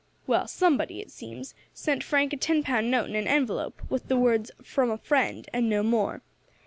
Well, somebody, it seems, sent Frank a ten pound note in an envelope, with the words, 'From a friend,' and no more.